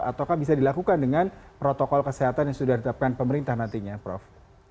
atau bisa dilakukan dengan protokol kesehatan yang sudah ditetapkan pemerintah nantinya prof